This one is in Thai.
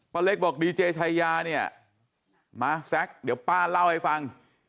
เล็กบอกดีเจชายาเนี่ยมาแซคเดี๋ยวป้าเล่าให้ฟัง